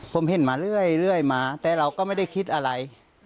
ผมเห็นมาเรื่อยมาแต่เราก็ไม่ได้คิดอะไร